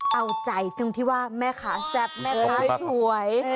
เอาใจตรงที่ว่าแม่ค้าแซ่บแม่ค้าสวย